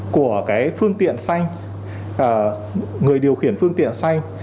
của cái phương tiện xanh người điều khiển phương tiện xanh